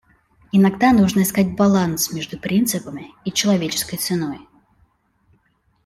Иногда нужно искать баланс между принципами и человеческой ценой.